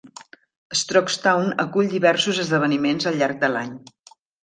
Strokestown acull diversos esdeveniments al llarg de l'any.